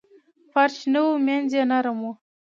فرش نه و مینځ یې نرم و.